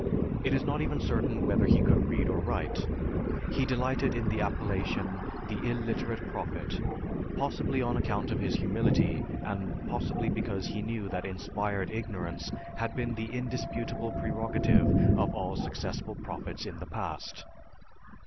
It is not even certain whether he could read or write. He delighted in the appellation, "The Illiterate Prophet," possibly on account of his humility and possibly because he knew that inspired ignorance had been the indisputable prerogative of all successful prophets in the past.